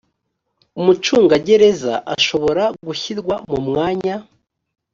umucungagereza ashobora gushyirwa mu mwanya